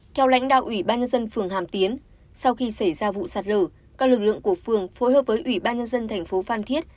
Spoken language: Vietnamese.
theo lãnh đạo ủy ban nhân dân phường hàm tiến sau khi xảy ra vụ sạt lở các lực lượng của phường phối hợp với ủy ban nhân dân thành phố phan thiết